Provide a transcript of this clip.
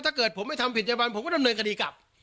ถ้าเกิดผมไม่ทำผิดพยาบาลผมก็ดำเนินคดีกลับ